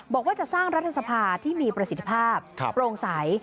บอกว่าจะสร้างรัฐสภาที่มีประสิทธิภาพโปร่งใส